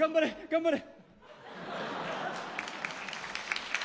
頑張れ。